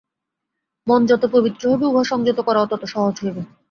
মন যত পবিত্র হইবে, উহা সংযত করাও তত সহজ হইবে।